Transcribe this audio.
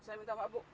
saya minta pak bu